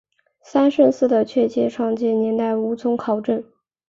三圣寺的确切创建年代无从考证。